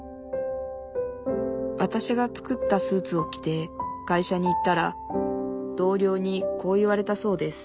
わたしが作ったスーツを着て会社に行ったら同僚にこう言われたそうです